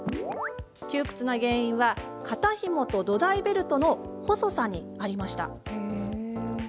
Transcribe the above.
窮屈な原因は肩ひもと土台ベルトの細さにありました。